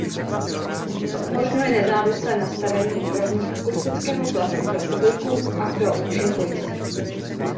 To umožňuje nezávislé nastavení úrovní akustického tlaku pro publikum a pro účinkující.